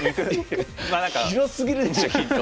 広すぎるでしょヒント。